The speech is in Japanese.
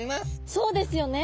そうですよね！